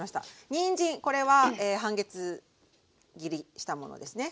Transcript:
にんじんこれは半月切りしたものですね。